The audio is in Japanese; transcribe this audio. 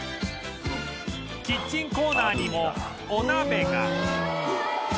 キッチンコーナーにもお鍋が